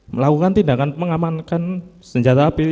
melakukan tindakan mengamankan senjata api